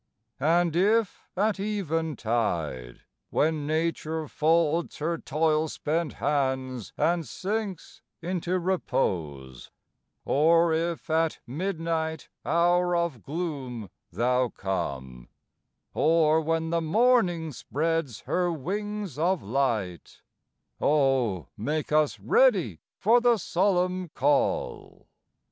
And if at eventide, when Nature folds Her toil spent hands and sinks into repose; Or if at midnight hour of gloom Thou come, Or when the morning spreads her wings of light, Oh make us ready for the solemn call.